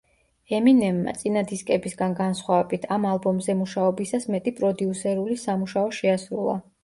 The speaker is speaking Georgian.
ემინემმა, წინა დისკებისგან განსხვავებით, ამ ალბომზე მუშაობისას მეტი პროდიუსერული სამუშაო შეასრულა.